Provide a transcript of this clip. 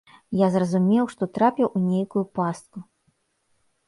Я зразумеў, што трапіў у нейкую пастку.